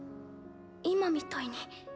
今みたいに。